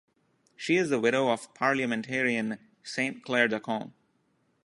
She is the widow of parliamentarian Saint Clair Dacon.